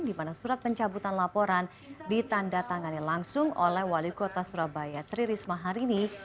di mana surat pencabutan laporan ditanda tangani langsung oleh wali kota surabaya tri risma hari ini